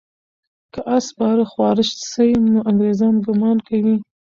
که آس سپاره خواره سي، نو انګریزان ګمان کوي.